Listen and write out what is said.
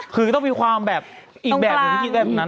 คือต้องมีความแบบอีกแบบหนึ่งที่คิดแบบนั้น